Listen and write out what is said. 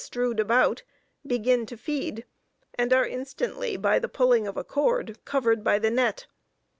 strewed about, begin to feed, and are instantly, by the pulling of a cord, covered by the net.